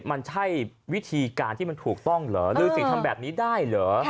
มันใช่วิธีการที่มันถูกต้องเหรออืมหรือสิทธิ์ทำแบบนี้ได้เหรอ